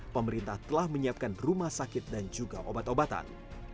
pemerintah telah menyiapkan rumah sakit dan juga obat obatan